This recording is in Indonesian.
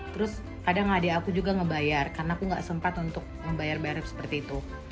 terus kadang adik aku juga ngebayar karena aku nggak sempat untuk membayar beret seperti itu